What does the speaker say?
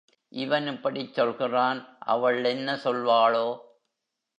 இவன் இப்படிச் சொல்கிறான் அவள் என்ன சொல்வாளோ?